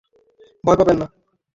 ভয় পাবেন না।